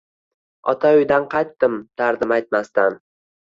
Ota uydan qaytdim dardim aytmasdan.